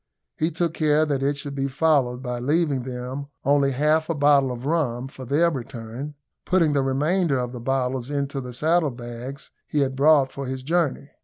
He took care that it should be followed by leaving them only half a bottle of rum for their return putting the remainder of the bottles into the saddle bags he had brought for his journey.